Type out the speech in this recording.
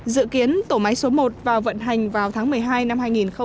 dự kiến tổ máy số một vào vận hành vào tháng một mươi hai năm hai nghìn hai mươi